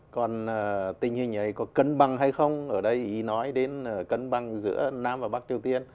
còn tình hình ấy có cân bằng hay không ở đây ý nói đến cân bằng giữa nam và bắc triều tiên